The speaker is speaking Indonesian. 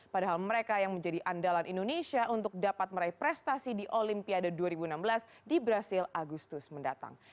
padahal mereka yang menjadi andalan indonesia untuk dapat meraih prestasi di olimpiade dua ribu enam belas di brazil agustus mendatang